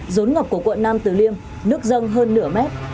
rốn ngập của quận nam tử liêm nước dâng hơn nửa mét